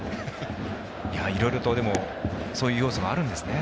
いろいろとそういう要素あるんですね。